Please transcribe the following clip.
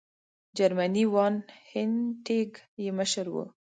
جرمنی وان هینټیګ یې مشر وو.